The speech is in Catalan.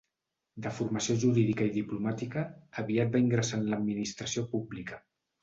De formació jurídica i diplomàtica, aviat va ingressar en l'administració pública.